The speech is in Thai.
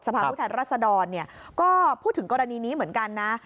สภาพุทธรรษดรก็พูดถึงกรณีนี้เหมือนกันนะ